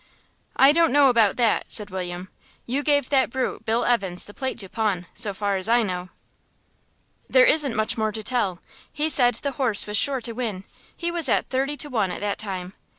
"I don't know about that," said William. "You gave that brute Bill Evans the plate to pawn, so far as I know." "There isn't much more to tell. He said the horse was sure to win. He was at thirty to one at that time.